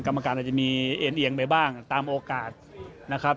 กรรมการอาจจะมีเอ็นเอียงไปบ้างตามโอกาสนะครับ